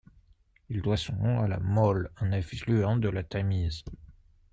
Il doit son nom à la Mole, un affluent de la Tamise.